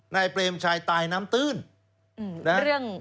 เปรมชัยตายน้ำตื้น